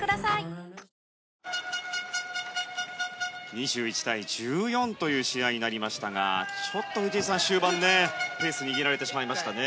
２１対１４という試合になりましたがちょっと藤井さん、終盤ペースを握られてしまいましたね。